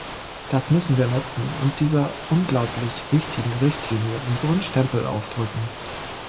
Das müssen wir nutzen und dieser unglaublich wichtigen Richtlinie unseren Stempel aufdrücken.